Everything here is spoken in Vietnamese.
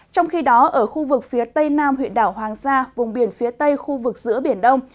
trong khi đó ở khu vực phía tây nam huyện đảo hoàng sa vùng biển phía tây khu vực giữa biển đông